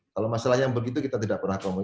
kalau masalah yang begitu kita tidak pernah komunikasi